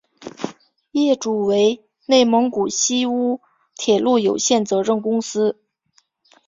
业主为内蒙古锡乌铁路有限责任公司。